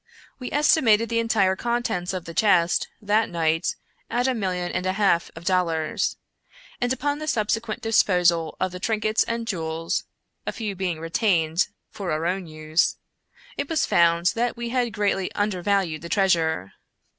We estimated the entire contents of the chest, that night, at a million and a half of dollars ; and upon the subsequent disposal of the trinkets and jewels (a few being retained for our own use), it was found that we had greatly under valued the treasure.